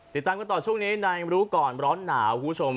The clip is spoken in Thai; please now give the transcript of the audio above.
ติดตามกันต่อช่วงนี้ในรู้ก่อนร้อนหนาวคุณผู้ชม